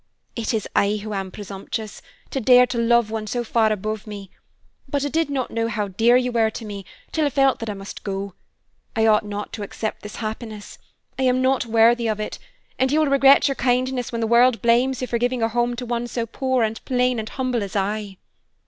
"It is I who am presumptuous, to dare to love one so far above me. But I did not know how dear you were to me till I felt that I must go. I ought not to accept this happiness. I am not worthy of it; and you will regret your kindness when the world blames you for giving a home to one so poor, and plain, and humble as I."